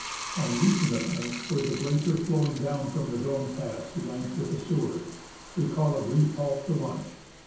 On reaching the point where the glacier l^owing down from the Dome Pass unites with the Seward, we call a brief halt for lunch.